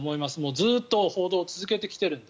ずっと報道を続けてきているので。